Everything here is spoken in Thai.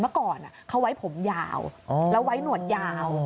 เมื่อก่อนเขาไว้ผมยาวแล้วไว้หนวดยาว